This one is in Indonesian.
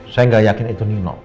saya nggak yakin itu nino